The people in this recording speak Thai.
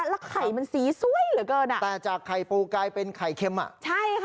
แล้วไข่มันสีสวยเหลือเกินอ่ะแต่จากไข่ปูกลายเป็นไข่เค็มอ่ะใช่ค่ะ